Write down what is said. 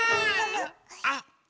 あっ！